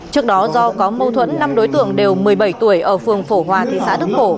trước đó do có mâu thuẫn năm đối tượng đều một mươi bảy tuổi ở phường phổ hòa thị xã đức phổ